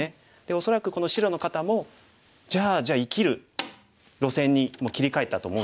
恐らくこの白の方もじゃあ生きる路線に切り替えたと思うんですけれども。